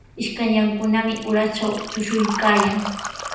Ishkallankunami uratraw tushuykaayan.